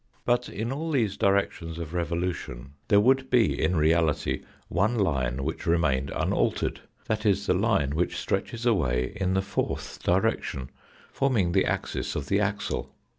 But in all these directions of THE HIGHER WORLD 73 revolution there would be in reality one line which remained unaltered, that is the line which stretches away in the fourth direction, forming the axis of the axle.